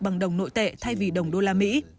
bằng đồng nội tệ thay vì đồng đô la mỹ